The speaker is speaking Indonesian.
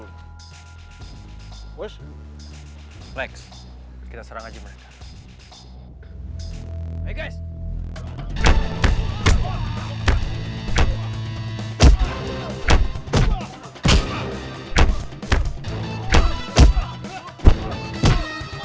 lex kita serang aja mereka